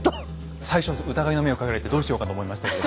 最初疑いの目をかけられてどうしようかと思いましたけど。